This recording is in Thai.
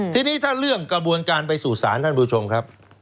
ทีนี้ถ้าเรื่องกระบวนการไปสู่ศาลท่านผู้ชมครับ